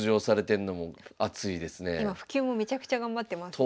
今普及もめちゃくちゃ頑張ってますよね。